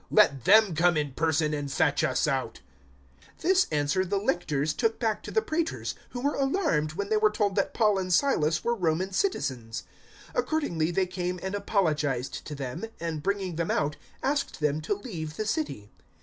Let them come in person and fetch us out." 016:038 This answer the lictors took back to the praetors, who were alarmed when they were told that Paul and Silas were Roman citizens. 016:039 Accordingly they came and apologized to them; and, bringing them out, asked them to leave the city.